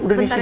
udah di sini